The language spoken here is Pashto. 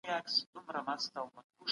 تاسو د هېواد د راتلونکي معماران یئ.